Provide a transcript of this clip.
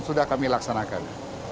sudah kami laksanakan